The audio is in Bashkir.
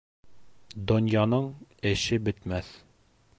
Донъяның эше бөтмәҫ.